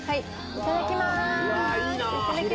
いただきます。